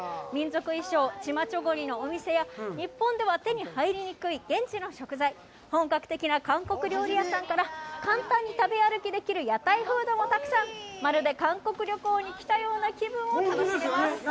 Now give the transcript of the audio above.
民族衣装、チマチョゴリのお店や、日本では手に入りにくい現地の食材、本格的な韓国料理屋さんから簡単に食べ歩きできる屋台フードもたくさん、まるで韓国旅行に来たような気分を楽しめます。